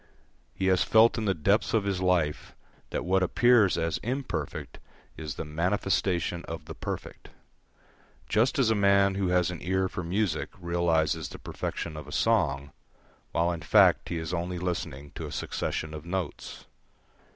He has felt in the depths of his life that what appears as imperfect is the manifestation of the perfect; just as a man who has an ear for music realises the perfection of a song, while in fact he is only listening to a succession of notes.